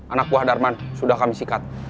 anak buah darman sudah kami sikat